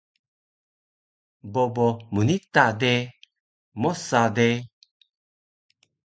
Bobo mnita de mosa de